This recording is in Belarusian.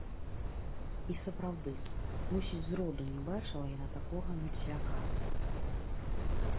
І сапраўды, мусіць зроду не бачыла яна такога мерцвяка.